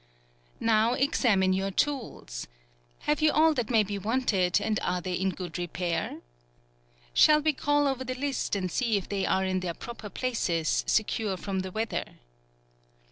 Now examine your tools. Have you all that may be wanted, and are they in good repair. Shall we call over the list, and see if they arc in their proper places, secure from FEBRUARY. 2? the weather.